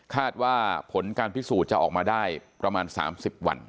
ว่าผลการพิสูจน์จะออกมาได้ประมาณ๓๐วัน